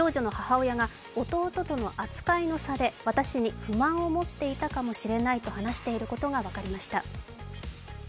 少女の母親が弟との扱いの差で私に不満を持っていたかもしれないと話していることが分かりました。